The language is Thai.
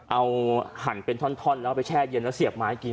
เอาหั่นเป็นท่อนแล้วไปแช่เย็นแล้วเสียบไม้กิน